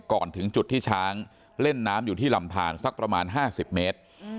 ก่อนถึงจุดที่ช้างเล่นน้ำอยู่ที่ลำทานสักประมาณ๕๐เมตร